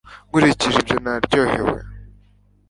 Nkurikije ibyo naryohewe